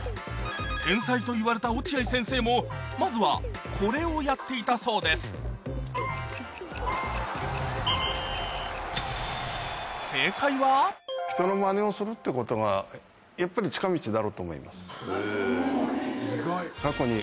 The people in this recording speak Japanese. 天才といわれた落合先生もまずはこれをやっていたそうですってことがやっぱり近道だろうと思います。